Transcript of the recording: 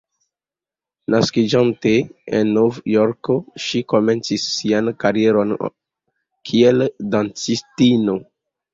Naskiĝinte en Novjorko, ŝi komencis sian karieron kiel dancistino.